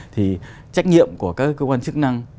thì trách nhiệm của các cơ quan chức năng